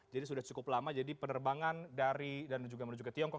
jadi sudah cukup lama jadi penerbangan dari dan juga menuju ke tiongkok